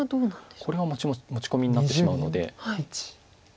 これは持ち込みになってしまうので。